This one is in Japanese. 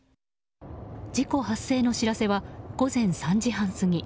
事故発生の知らせは午前３時半過ぎ。